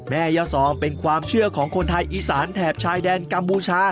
แม่ยาซองเป็นความเชื่อของคนไทยอีสานแถบชายแดนกัมพูชา